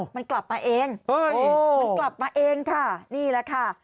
มันกลับมาเองมันกลับมาเองค่ะนี่แหละค่ะ